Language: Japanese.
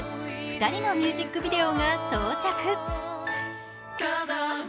「ふたり」のミュージックビデオが到着。